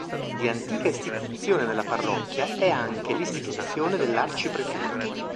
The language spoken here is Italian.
Di antica istituzione nella parrocchia è anche l’istituzione dell’arcipretura.